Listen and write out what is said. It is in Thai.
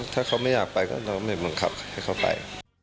ถ้าเขาไม่อยากไปก็ต้องไม่บังคับให้เขาไป